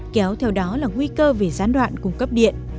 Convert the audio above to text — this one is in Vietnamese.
kéo theo đó là nguy cơ về gián đoạn cung cấp điện